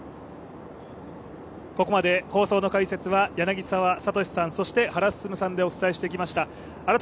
これまで放送の解説は柳澤哲さんそして原晋さんでお伝えしてきました。